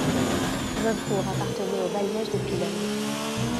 Zincourt appartenait au bailliage d'Épinal.